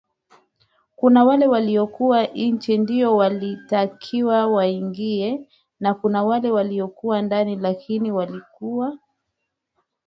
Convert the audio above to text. kuna wale walikuwa nje ndiyo walitakiwa waingie na kuna wale waliokuwa ndani lakini walikuwa